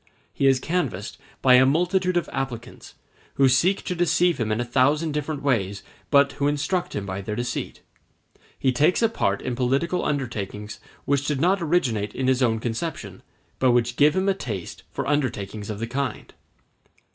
He is canvassed by a multitude of applicants, who seek to deceive him in a thousand different ways, but who instruct him by their deceit. He takes a part in political undertakings which did not originate in his own conception, but which give him a taste for undertakings of the kind.